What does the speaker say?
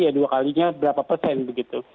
ya dua kalinya berapa persen begitu